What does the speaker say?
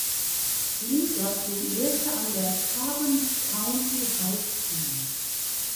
Lee graduierte an der "Carbon County High School".